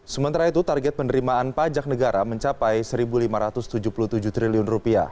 sementara itu target penerimaan pajak negara mencapai rp satu lima ratus tujuh puluh tujuh triliun